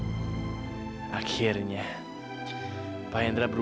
oh mau lihat nih di luar